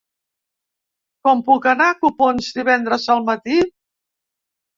Com puc anar a Copons divendres al matí?